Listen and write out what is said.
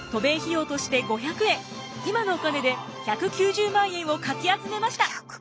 今のお金で１９０万円をかき集めました。